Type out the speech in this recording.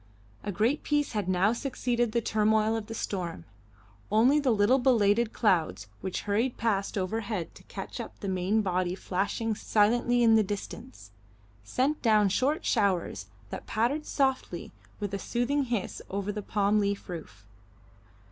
A great peace had now succeeded the turmoil of the storm. Only the little belated clouds, which hurried past overhead to catch up the main body flashing silently in the distance, sent down short showers that pattered softly with a soothing hiss over the palm leaf roof.